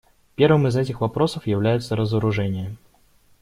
Первым из этих вопросов является разоружение.